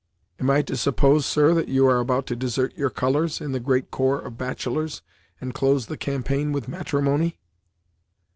"Am I to suppose, sir, that you are about to desert your colours, in the great corps of bachelors, and close the campaign with matrimony?"